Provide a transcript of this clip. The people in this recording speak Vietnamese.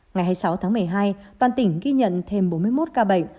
ngày hai mươi sáu tháng một mươi hai toàn tỉnh ghi nhận thêm bốn mươi một ca bệnh